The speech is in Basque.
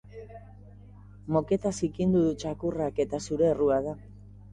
Moketa zikindu du txakurrak eta zure errua da.